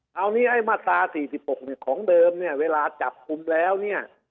คราวนี้ไอ้มาตรา๔๖เนี่ยของเดิมเนี่ยเวลาจับกลุ่มแล้วเนี่ย